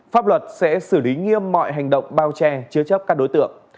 pháp luật sẽ xử lý nghiêm mọi hành động bao che chứa chấp các đối tượng